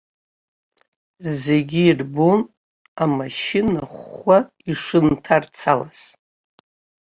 Зегь ирбон амашьына хәхәа ишынҭарцалаз.